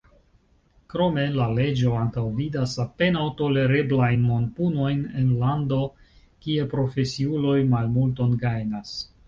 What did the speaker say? Krome la leĝo antaŭvidas apenaŭ tolereblajn monpunojn en lando, kie profesiuloj malmulton gajnas.